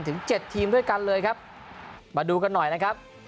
ถึงเจ็ดทีมด้วยกันเลยครับมาดูกันหน่อยนะครับ